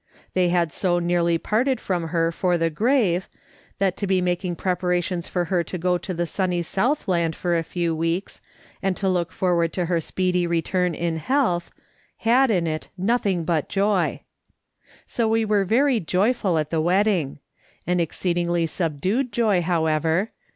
They had so nearly parted from her for the grave, that to be making preparations for her to go to the sunny South land for a few weeks, and to look forward to her speedy return in health, had in it nothing but joy. So we were very joyful at the wedding. An exceed ingly subdued joy, however.